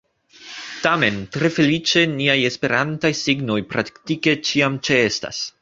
Tamen, tre feliĉe niaj esperantaj signoj praktike ĉiam ĉeestas.